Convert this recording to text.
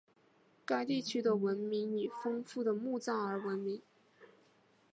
该地区的文明以丰富的墓葬而闻名。